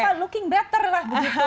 jadi sekarang saya memilih manfaat